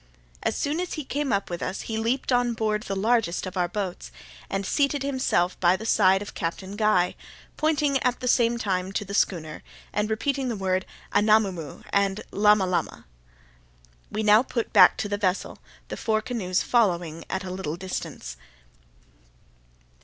As soon as he came up with us he leaped on board the largest of our boats, and seated himself by the side of Captain Guy, pointing at the same time to the schooner, and repeating the word Anamoo moo! and Lama Lama! We now put back to the vessel, the four canoes following at a little distance.